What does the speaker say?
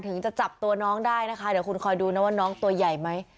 ถึงจะจับตัวน้องได้นะคะเดี๋ยวคุณคอยดูนะว่าน้องตัวใหญ่ไหม